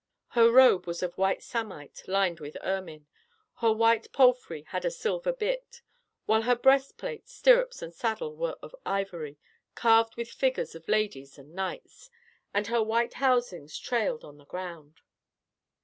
Her robe was of white samite lined with ermine; her white palfrey had a silver bit, while her breastplate, stirrups, and saddle were of ivory, carved with figures of ladies and knights, and her white housings trailed on the ground.